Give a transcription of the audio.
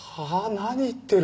何言ってる？